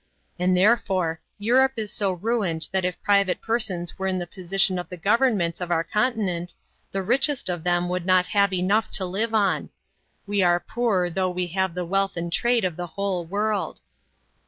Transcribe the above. And therefore Europe is so ruined that if private persons were in the position of the governments of our continent, the richest of them would not have enough to live on. We are poor though we have the wealth and trade of the whole world.'